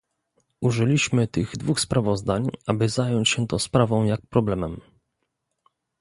Użyliśmy tych dwóch sprawozdań, aby zająć się tą sprawą jak problemem